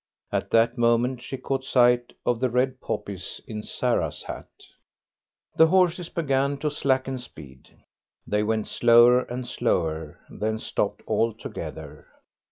At that moment she caught sight of the red poppies in Sarah's hat. The horses began to slacken speed. They went slower and slower, then stopped altogether.